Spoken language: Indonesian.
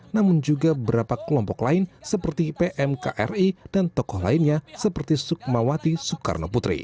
namun juga beberapa kelompok lain seperti pmkri dan tokoh lainnya seperti sukmawati soekarno putri